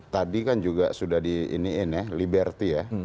tadi kan juga sudah di iniin ya liberty ya